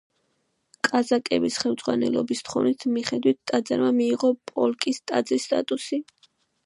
კაზაკების ხელმძღვანელების თხოვნის მიხედვით ტაძარმა მიიღო პოლკის ტაძრის სტატუსი.